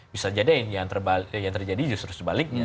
bisa jadi yang terjadi justru sebaliknya